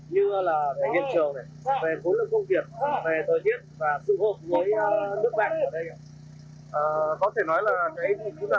như là về nhiệm trường này về khối lực công nghiệp về thời tiết và sự hộp với nước bạn ở đây